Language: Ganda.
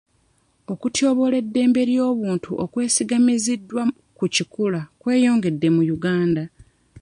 Okutyoboola eddembe ly'obuntu okwesigamizibwa ku kikula kweyongera mu Uganda.